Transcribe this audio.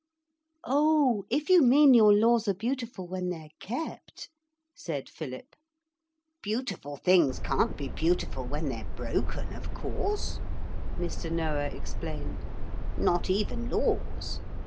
'Oh, if you mean your laws are beautiful when they're kept,' said Philip. 'Beautiful things can't be beautiful when they're broken, of course,' Mr. Noah explained. 'Not even laws.